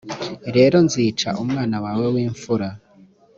rero nzica umwana wawe w impfura